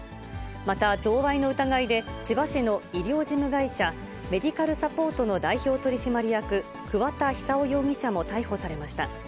また贈賄の疑いで、千葉市の医療事務会社、メディカルサポートの代表取締役、くわ田久雄容疑者も逮捕されました。